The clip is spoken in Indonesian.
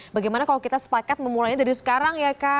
bagaimana kalau kita sepakat memulainya dari sekarang ya kak